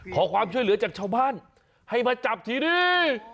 ขอความช่วยเหลือจากชาวบ้านให้มาจับทีนี้